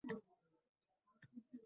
Oradan yillar o`tdi, bola maktabga chiqdi